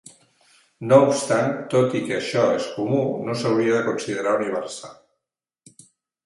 No obstant, tot i que això és comú, no s'hauria de considerar universal.